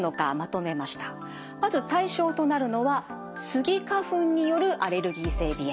まず対象となるのはスギ花粉によるアレルギー性鼻炎。